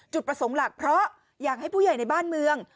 จุดประสงค์หลักเพราะอยากให้ผู้ใหญ่ในบ้านเมือง